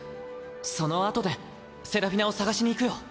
そのあとでセラフィナを捜しに行くよ。